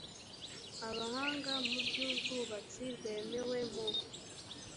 abahanga mu by ubwubatsi rwemewe mu